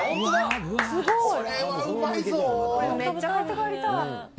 これ、めっちゃ買って帰りたい。